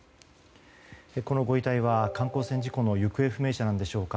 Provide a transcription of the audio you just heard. このご遺体は観光船事故の行方不明者なんでしょうか。